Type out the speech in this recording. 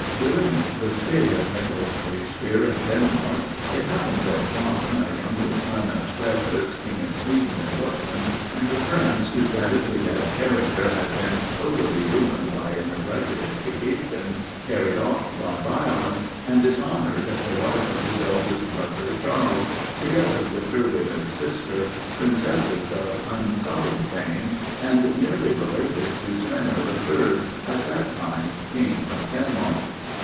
During the stay of Nicholas Breakspere in Denmark, it happened that John, a younger son of Swercus, King of Sweden and Gothland, and a prince whose radically bad character had been totally ruined by a neglected education, carried off by violence, and dishonored the wife of his eldest brother Charles, together with her widowed sister, princesses of unsullied fame, and nearly related to Sweno III., at that time, king of Denmark.